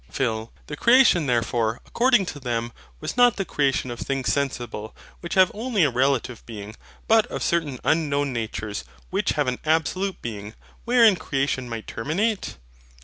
PHIL. The creation, therefore, according to them, was not the creation of things sensible, which have only a relative being, but of certain unknown natures, which have an absolute being, wherein creation might terminate?